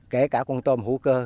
kể cả con tôm hữu cơ